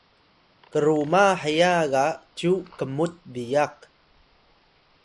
kruma heya ga cyu kmut biyak